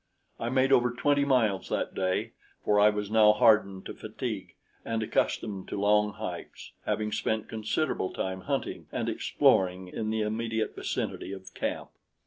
I made over twenty miles that day, for I was now hardened to fatigue and accustomed to long hikes, having spent considerable time hunting and exploring in the immediate vicinity of camp.